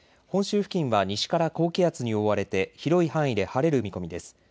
本州付近は西から高気圧に覆われて広い範囲で晴れる見込みです。